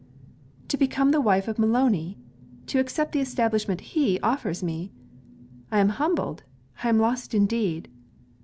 'To become the wife of Maloney! to accept of the establishment he offers me! I am humbled, I am lost indeed!